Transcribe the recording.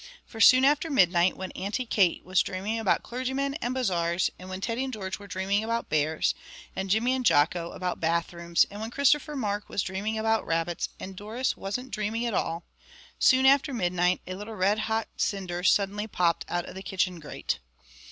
For soon after midnight, when Auntie Kate was dreaming about clergymen and bazaars, and when Teddy and George were dreaming about bears, and Jimmy and Jocko about bathrooms, and when Christopher Mark was dreaming about rabbits, and Doris wasn't dreaming at all soon after midnight a little red hot cinder suddenly popped out of the kitchen grate.